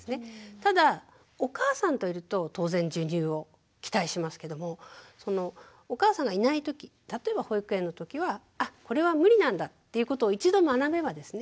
ただお母さんといると当然授乳を期待しますけどもお母さんがいないとき例えば保育園のときはあこれは無理なんだっていうことを一度学べばですね